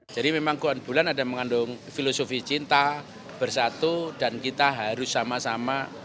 jadi memang kue bulan ada mengandung filosofi cinta bersatu dan kita harus sama sama